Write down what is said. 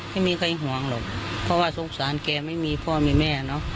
ไม่มีใครห่วงหรอกเพราะว่าสงสารแกไม่มีพ่อมีแม่เนอะ